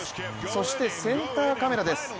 そして、センターカメラです。